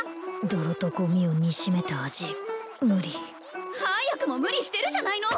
泥とゴミを煮しめた味無理早くも無理してるじゃないの！